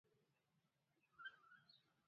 په افغانستان کې د فاریاب لپاره طبیعي شرایط مناسب دي.